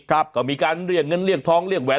ก็มีการเรียกเงินเรียกทองเรียกแหวน